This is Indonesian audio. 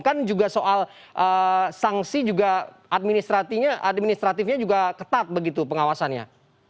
kan juga soal sanksi juga administratifnya juga ketat begitu pengawasannya